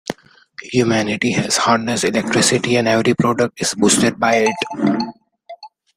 Humanity has harnessed electricity and every product is boosted by it.